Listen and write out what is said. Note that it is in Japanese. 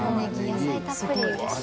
野菜たっぷりうれしい。